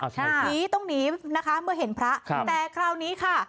หนีต้องหนีนะคะเมื่อเห็นพระแต่คราวนี้ค่ะ